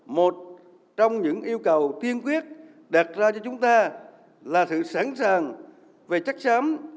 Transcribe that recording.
một trong những yêu cầu thiên quyết đạt ra cho chúng ta là sự sẵn sàng về chắc sám